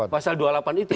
pasal dua puluh delapan itu